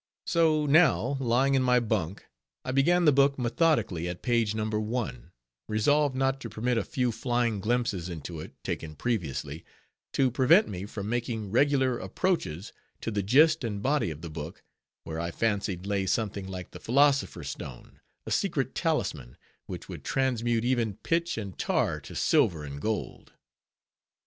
So, now, lying in my bunk, I began the book methodically, at page number one, resolved not to permit a few flying glimpses into it, taken previously, to prevent me from making regular approaches to the gist and body of the book, where I fancied lay something like the philosopher's stone, a secret talisman, which would transmute even pitch and tar to silver and gold.